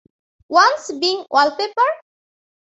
One being wallpaper.